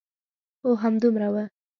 هو، همدومره و.